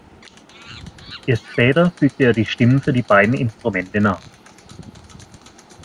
Erst später fügte er die Stimmen für die beiden Instrumente nach.